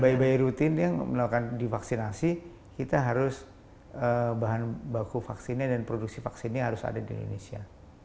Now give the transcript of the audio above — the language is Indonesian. bayi bayi rutin yang menawarkan divaksinasi kita harus bahan baku vaksinnya dan produksi vaksinnya harus ada di indonesia